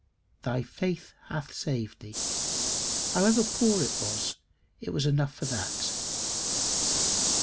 "Thy faith hath saved thee." However poor it was, it was enough for that.